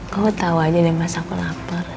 kau tahu aja deh masa aku lapar